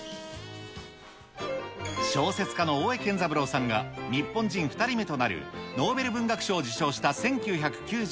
小説家の大江健三郎さんが、日本人２人目となるノーベル文学賞を受賞した１９９４年。